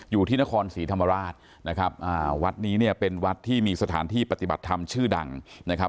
อยู่ที่นครศรีธรรมราชนะครับวัดนี้เนี่ยเป็นวัดที่มีสถานที่ปฏิบัติธรรมชื่อดังนะครับ